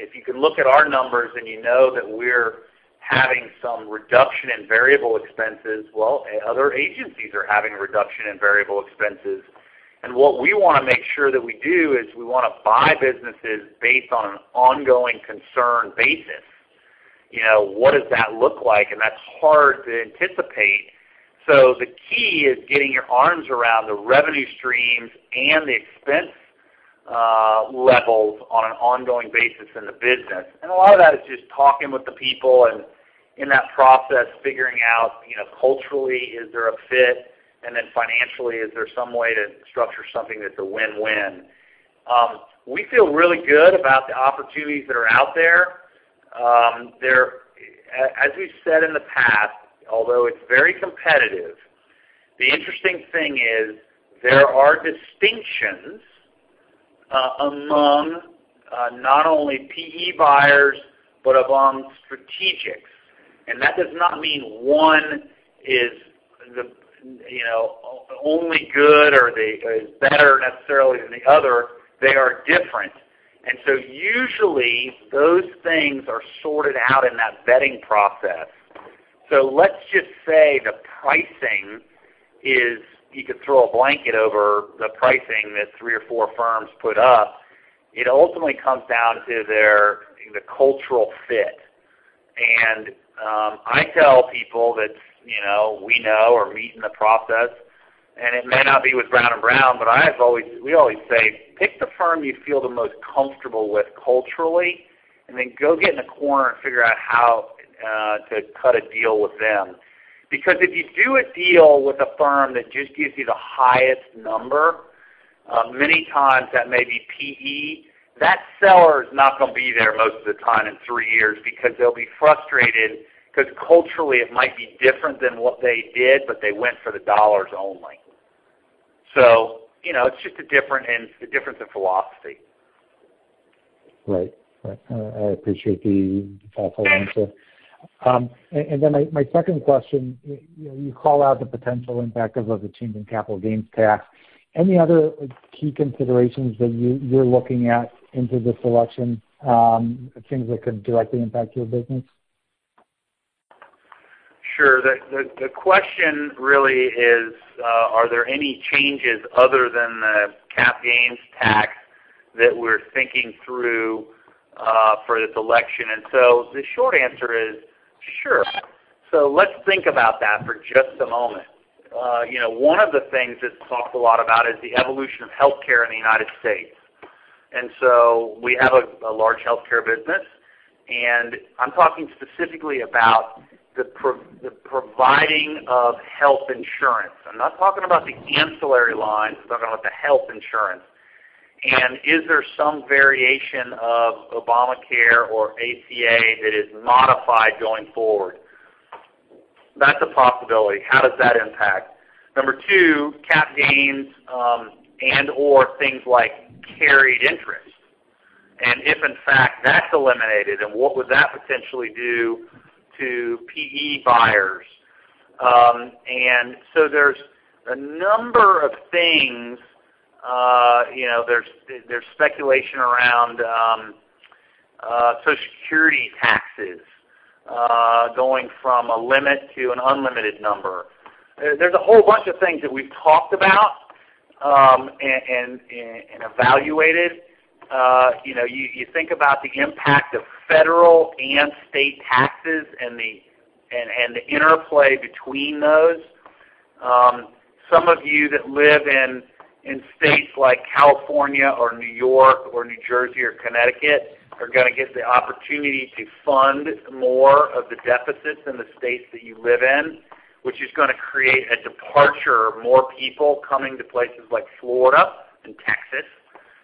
if you can look at our numbers and you know that we're having some reduction in variable expenses, well, other agencies are having a reduction in variable expenses. What we want to make sure that we do is we want to buy businesses based on an ongoing concern basis. What does that look like? That's hard to anticipate. The key is getting your arms around the revenue streams and the expense levels on an ongoing basis in the business. A lot of that is just talking with the people and in that process, figuring out culturally, is there a fit? Then financially, is there some way to structure something that's a win-win? We feel really good about the opportunities that are out there. As we've said in the past, although it's very competitive, the interesting thing is there are distinctions among not only PE buyers, but among strategics. That does not mean one is only good or is better necessarily than the other. They are different. Usually those things are sorted out in that vetting process. Let's just say the pricing is, you could throw a blanket over the pricing that three or four firms put up. It ultimately comes down to the cultural fit. I tell people that we know or we meet in the process, it may not be with Brown & Brown, but we always say, pick the firm you feel the most comfortable with culturally, then go get in a corner and figure how to cut a deal with them. If you do a deal with a firm that just gives you the highest number, many times that may be PE. That seller is not going to be there most of the time in three years because they'll be frustrated because culturally it might be different than what they did, but they went for the dollars only. It's just a difference in philosophy. Right. I appreciate the thoughtful answer. Then my second question, you call out the potential impact of the change in capital gains tax. Any other key considerations that you're looking at into this election, things that could directly impact your business? Sure. The question really is: Are there any changes other than the cap gains tax that we're thinking through for this election? The short answer is sure. Let's think about that for just a moment. One of the things that's talked a lot about is the evolution of healthcare in the United States. We have a large healthcare business, and I'm talking specifically about the providing of health insurance. I'm not talking about the ancillary lines, I'm talking about the health insurance. Is there some variation of Obamacare or ACA that is modified going forward? That's a possibility. How does that impact? Number two, cap gains, and/or things like carried interest. If in fact that's eliminated, then what would that potentially do to PE buyers? There's a number of things. There's speculation around Social Security taxes going from a limit to an unlimited number. There's a whole bunch of things that we've talked about and evaluated. You think about the impact of federal and state taxes and the interplay between those. Some of you that live in states like California or New York or New Jersey or Connecticut are going to get the opportunity to fund more of the deficits in the states that you live in, which is going to create a departure of more people coming to places like Florida and Texas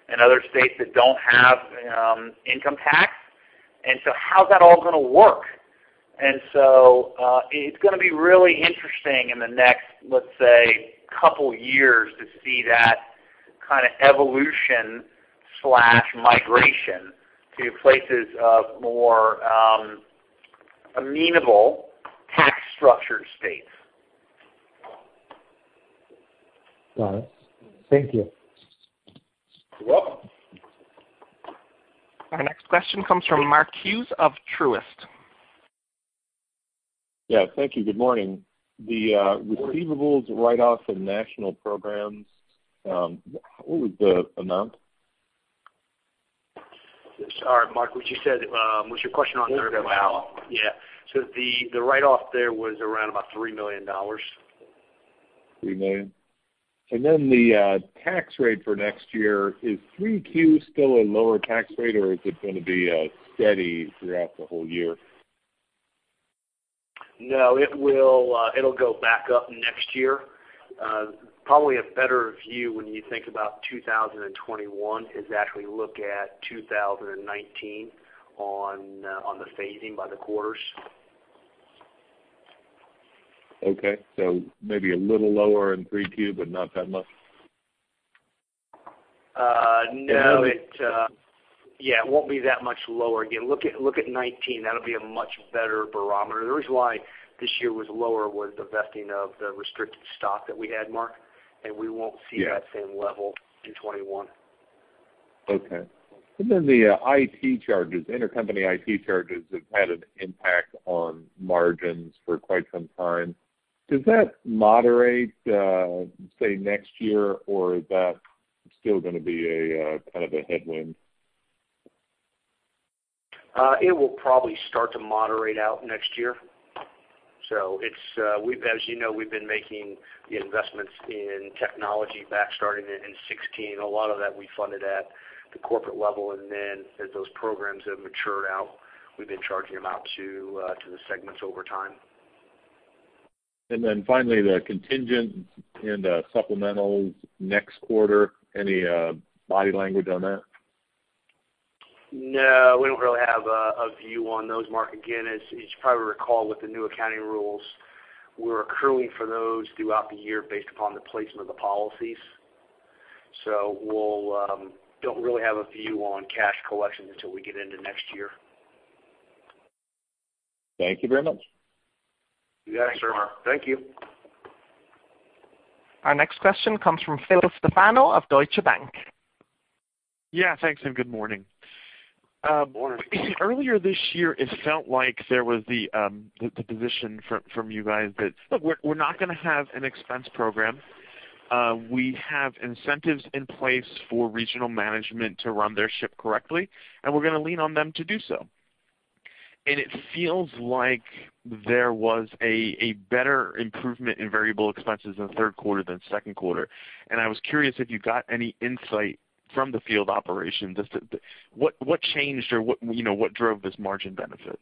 and other states that don't have income tax. How's that all going to work? It's going to be really interesting in the next, let's say, couple years to see that kind of evolution/migration to places of more amenable tax structure states. Got it. Thank you. You're welcome. Our next question comes from Mark Hughes of Truist. Yeah. Thank you. Good morning. The receivables write-offs of national programs, what was the amount? Sorry, Mark, was your question on third or all? all. Yeah. The write-off there was around about $3 million. $3 million. The tax rate for next year, is 3Q still a lower tax rate, or is it going to be steady throughout the whole year? No, it'll go back up next year. Probably a better view when you think about 2021 is actually look at 2019 on the phasing by the quarters. Okay. Maybe a little lower in 3Q, but not that much? No. And then- Yeah, it won't be that much lower. Again, look at 2019. That'll be a much better barometer. The reason why this year was lower was the vesting of the restricted stock that we had, Mark, and we won't see. Yeah that same level in 2021. Okay. The IT charges, inter-company IT charges have had an impact on margins for quite some time. Does that moderate, say, next year, or is that still going to be kind of a headwind? It will probably start to moderate out next year. As you know, we've been making the investments in technology back starting in 2016. A lot of that we funded at the corporate level, and then as those programs have matured out, we've been charging them out to the segments over time. Finally, the contingent and supplementals next quarter. Any body language on that? No, we don't really have a view on those, Mark. Again, as you probably recall with the new accounting rules, we're accruing for those throughout the year based upon the placement of the policies. We don't really have a view on cash collection until we get into next year. Thank you very much. You got it, sir. Thanks, Mark. Thank you. Our next question comes from Phil Stefano of Deutsche Bank. Thanks, good morning. Good morning. Earlier this year, it felt like there was the position from you guys that, "Look, we're not going to have an expense program. We have incentives in place for regional management to run their ship correctly, and we're going to lean on them to do so." It feels like there was a better improvement in variable expenses in the third quarter than second quarter, and I was curious if you got any insight from the field operations as to what changed or what drove this margin benefit?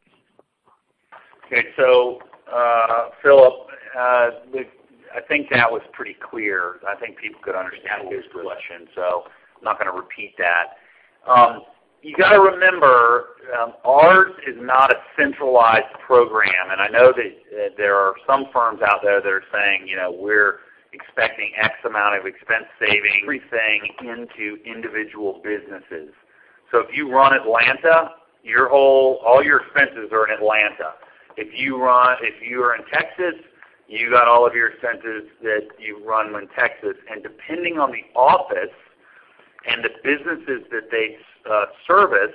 Philip, I think that was pretty clear. I think people could understand his question, I'm not going to repeat that. You got to remember, ours is not a centralized program, I know that there are some firms out there that are saying, "We're expecting X amount of expense savings." Everything into individual businesses. If you run Atlanta, all your expenses are in Atlanta. If you are in Texas, you got all of your expenses that you run in Texas. Depending on the office and the businesses that they service,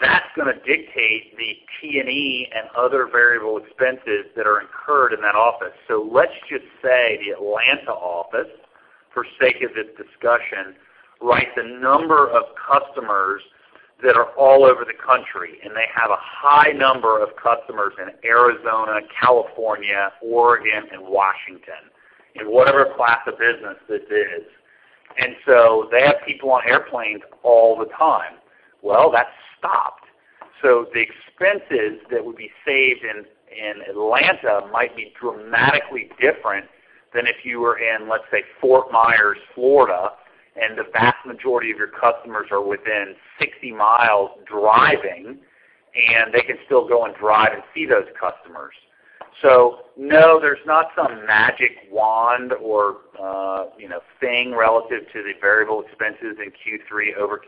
that's going to dictate the T&E and other variable expenses that are incurred in that office. Let's just say the Atlanta office, for sake of this discussion, writes a number of customers that are all over the country. They have a high number of customers in Arizona, California, Oregon, and Washington, in whatever class of business this is. They have people on airplanes all the time. Well, that stopped. The expenses that would be saved in Atlanta might be dramatically different than if you were in, let's say, Fort Myers, Florida, and the vast majority of your customers are within 60 miles driving, and they can still go and drive and see those customers. No, there's not some magic wand or thing relative to the variable expenses in Q3 over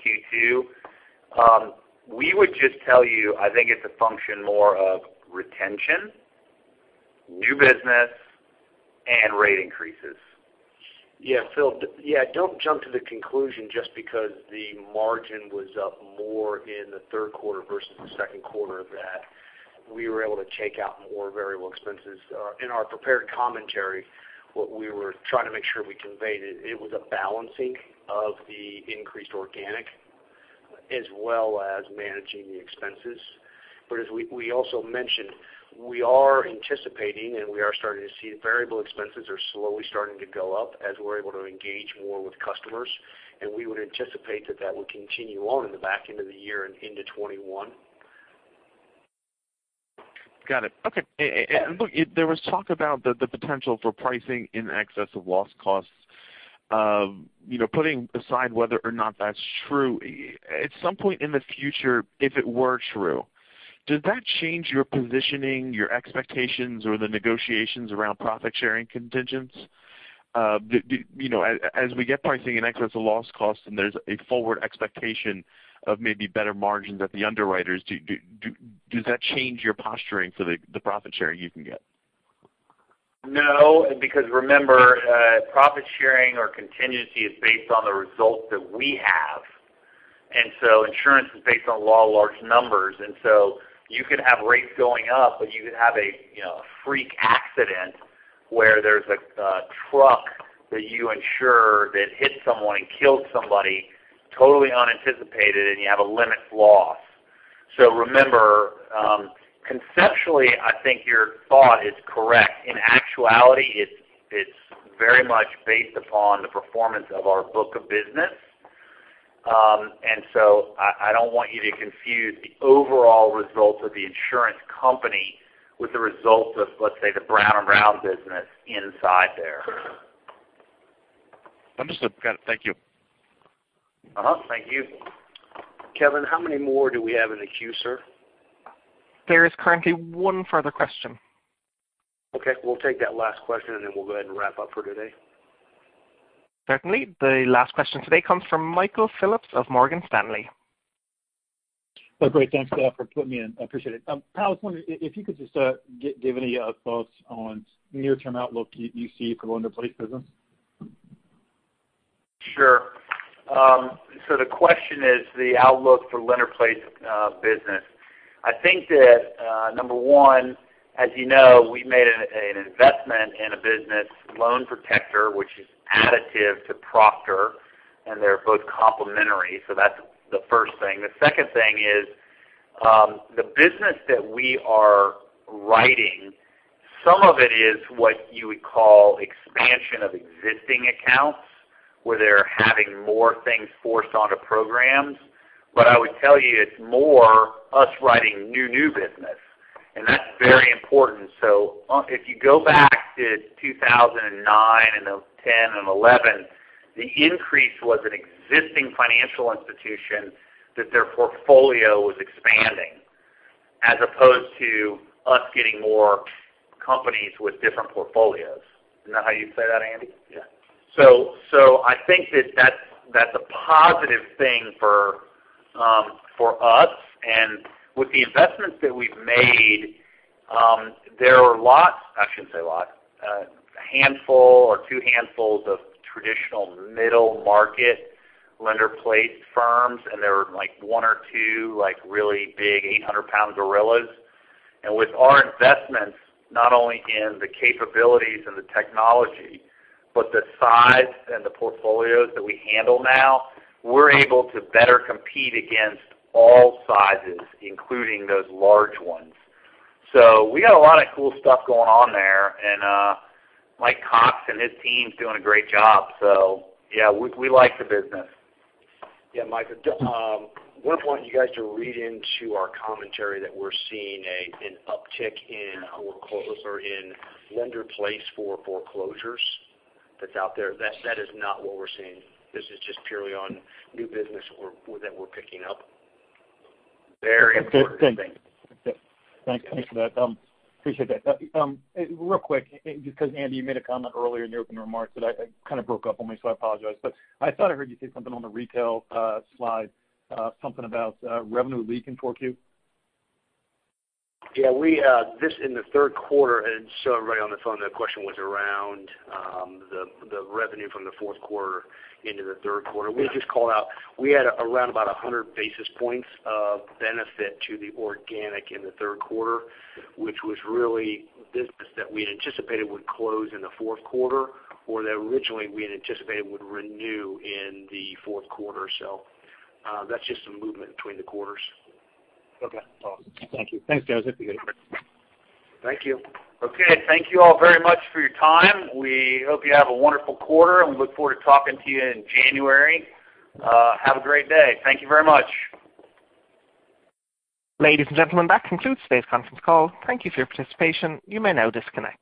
Q2. We would just tell you, I think it's a function more of retention New business and rate increases. Yeah, Phil. Don't jump to the conclusion just because the margin was up more in the third quarter versus the second quarter that we were able to shake out more variable expenses. In our prepared commentary, what we were trying to make sure we conveyed, it was a balancing of the increased organic as well as managing the expenses. As we also mentioned, we are anticipating, and we are starting to see variable expenses are slowly starting to go up as we're able to engage more with customers. We would anticipate that that will continue on in the back end of the year and into 2021. Got it. Okay. Look, there was talk about the potential for pricing in excess of loss costs. Putting aside whether or not that's true, at some point in the future, if it were true, does that change your positioning, your expectations, or the negotiations around profit-sharing contingents? As we get pricing in excess of loss costs and there's a forward expectation of maybe better margins at the underwriters, does that change your posturing for the profit sharing you can get? No, remember, profit sharing or contingency is based on the results that we have. Insurance is based on law of large numbers. You could have rates going up, but you could have a freak accident where there's a truck that you insure that hits someone and kills somebody, totally unanticipated, and you have a limit loss. Remember, conceptually, I think your thought is correct. In actuality, it's very much based upon the performance of our book of business. I don't want you to confuse the overall results of the insurance company with the results of, let's say, the Brown & Brown business inside there. Understood. Got it. Thank you. Thank you. Kevin, how many more do we have in the queue, sir? There is currently one further question. We'll take that last question, then we'll go ahead and wrap up for today. The last question today comes from Michael Phillips of Morgan Stanley. Great. Thanks, Kevin, for putting me in. I appreciate it. Powell, I was wondering if you could just give any thoughts on near-term outlook you see for lender-placed business. Sure. The question is the outlook for lender-placed business. I think that, number one, as you know, we made an investment in a business, Loan Protector, which is additive to Proctor, and they're both complementary. That's the first thing. The second thing is, the business that we are writing, some of it is what you would call expansion of existing accounts, where they're having more things forced onto programs. I would tell you, it's more us writing new business. That's very important. If you go back to 2009 and 2010 and 2011, the increase was an existing financial institution that their portfolio was expanding, as opposed to us getting more companies with different portfolios. Isn't that how you'd say that, Andy? Yeah. I think that that's a positive thing for us. With the investments that we've made, there are lots, I shouldn't say lots, a handful or two handfuls of traditional middle-market lender-place firms, and there are one or two really big 800-pound gorillas. With our investments, not only in the capabilities and the technology, but the size and the portfolios that we handle now, we're able to better compete against all sizes, including those large ones. We got a lot of cool stuff going on there, and Mike Cox and his team's doing a great job. Yeah, we like the business. Yeah, Michael, wouldn't want you guys to read into our commentary that we're seeing an uptick in lender place for foreclosures that's out there. That is not what we're seeing. This is just purely on new business that we're picking up. Very important thing. Thanks for that. Appreciate that. Real quick, Andy, you made a comment earlier in your opening remarks that kind of broke up on me, so I apologize. I thought I heard you say something on the retail slide, something about revenue leaking 4Q? Yeah. This in the third quarter, everybody on the phone, the question was around the revenue from the fourth quarter into the third quarter. We just called out, we had around about 100 basis points of benefit to the organic in the third quarter, which was really business that we had anticipated would close in the fourth quarter or that originally we had anticipated would renew in the fourth quarter. That's just some movement between the quarters. Okay. Thank you. Thanks, Joseph. You're good. Thank you. Okay. Thank you all very much for your time. We hope you have a wonderful quarter. We look forward to talking to you in January. Have a great day. Thank you very much. Ladies and gentlemen, that concludes today's conference call. Thank you for your participation. You may now disconnect.